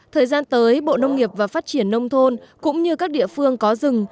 thời gian tới bộ nông nghiệp và phát triển nông thôn cũng như các địa phương có rừng